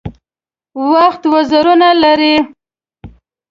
وخت وزرونه لري .